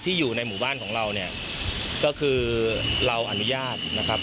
อยู่ในหมู่บ้านของเราเนี่ยก็คือเราอนุญาตนะครับ